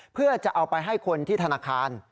เพื่อจะเอาไปให้คนที่ธนาคาร